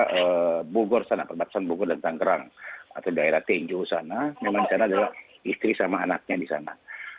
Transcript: karena bogor sana perbatasan bogor dan tangerang atau daerah tenjo sana memang di sana adalah istri sama anaknya di sana